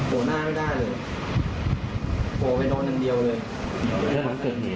โหหน้าไม่ได้เลยโหไปโดนหนึ่งเดียวเลย